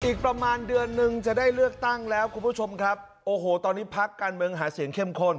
อีกประมาณเดือนนึงจะได้เลือกตั้งแล้วคุณผู้ชมครับโอ้โหตอนนี้พักการเมืองหาเสียงเข้มข้น